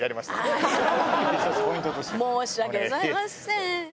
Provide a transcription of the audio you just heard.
申し訳ございません。